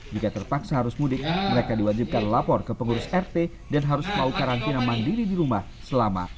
jika terpaksa harus mudik mereka diwajibkan lapor ke pengurus rt dan harus mau karantina mandiri di rumah selama